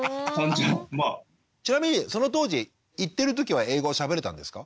ちなみにその当時行ってる時は英語はしゃべれたんですか？